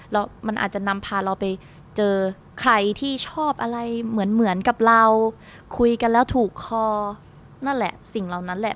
แล้วมันอาจจะนำพาเราไปเจอใครที่ชอบอะไรเหมือนเหมือนกับเราคุยกันแล้วถูกคอนั่นแหละสิ่งเหล่านั้นแหละ